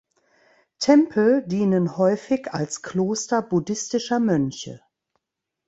Tempel dienen häufig als Kloster buddhistischer Mönche.